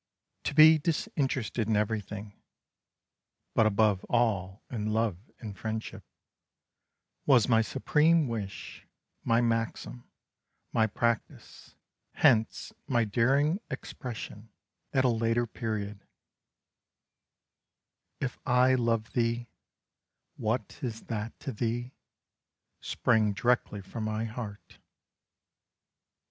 "To be disinterested in everything, but above all in love and friendship, was my supreme wish, my maxim, my practice; hence my daring expression at a later period: 'If I love thee, what is that to thee?' sprang directly from my heart."